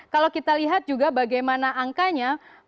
kalau kita lihat juga bagaimana angkanya